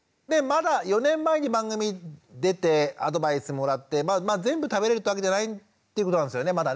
４年前に番組出てアドバイスもらって全部食べれるってわけじゃないっていうことなんですよねまだね